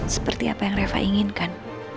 seperti apa yang reva inginkan